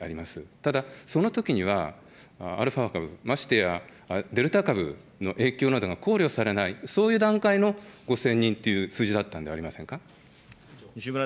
ただそのときには、アルファー株、ましてやデルタ株の影響などが考慮されない、そういう段階の５０００人という数字だったのではありませんか。